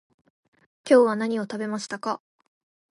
今日は何を食べましたか？